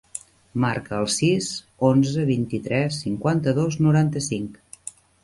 Marca el sis, onze, vint-i-tres, cinquanta-dos, noranta-cinc.